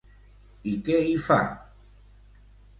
I què hi fa?